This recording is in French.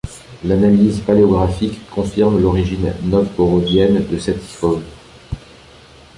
L'analyse paléographique confirme l'origine novgorodienne de cette icône.